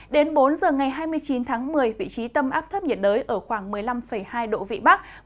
đến bốn giờ ngày hai mươi chín tháng một mươi vị trí tâm áp thấp nhiệt đới ở khoảng một mươi năm hai độ vị bắc